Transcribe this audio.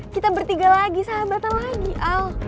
kita bertiga lagi sahabatan lagi al